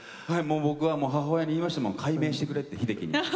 僕はもう母親に言いましたもん改名してくれって秀樹に。